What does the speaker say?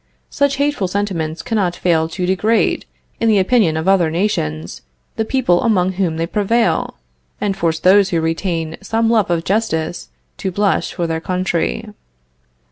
Such hateful sentiments cannot fail to degrade, in the opinion of other nations, the people among whom they prevail, and force those who retain some love of justice to blush for their country.